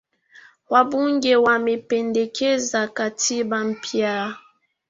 Wabunge wamependekeza katiba mpya.